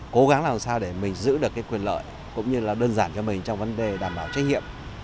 cố gắng làm sao để mình giữ được cái quyền lợi cũng như là đơn giản cho mình trong vấn đề đảm bảo trách nhiệm